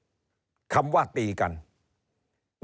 ในทางการเมืองความขัดแย้งเป็นเรื่องปกติ